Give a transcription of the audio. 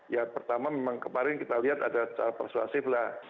ya pertama memang kemarin kita lihat ada persuasif lah